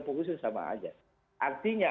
populis itu sama saja artinya